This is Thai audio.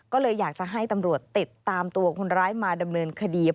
ก็เลยอยากจะให้ตำรวจติดตามตัวคนร้ายมาดำเนินคดี